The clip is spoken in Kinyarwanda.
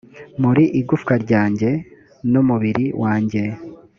muri igufwa ryanjye n umubiri wanjye